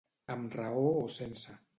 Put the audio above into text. Amb raó o sense.